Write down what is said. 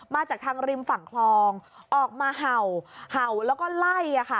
มาจากทางริมฝั่งคลองออกมาเห่าเห่าแล้วก็ไล่